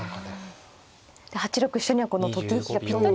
８六飛車にはこのと金引きがぴったり。